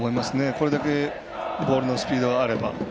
これだけボールのスピードがあれば。